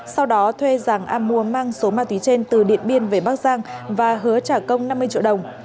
sau đó thuê giàng a mua mang số ma túy trên từ điện biên về bắc giang và hứa trả công năm mươi triệu đồng